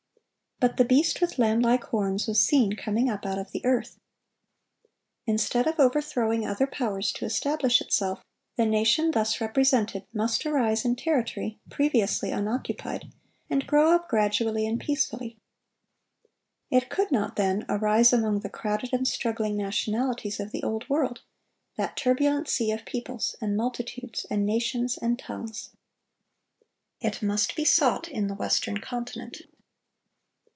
But the beast with lamb like horns was seen "coming up out of the earth." Instead of overthrowing other powers to establish itself, the nation thus represented must arise in territory previously unoccupied, and grow up gradually and peacefully. It could not, then, arise among the crowded and struggling nationalities of the Old World,—that turbulent sea of "peoples, and multitudes, and nations, and tongues." It must be sought in the Western Continent.